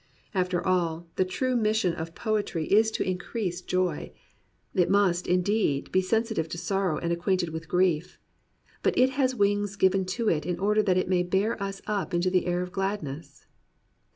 After all, the true mission of poetry is to increase 60 POETRY IN THE PSALMS joy. It must, indeed, be sensitive to sorrow and acquainted with grief. But it has wings given to it in order that it may bear us up into the air of gladness.